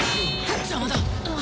邪魔だ！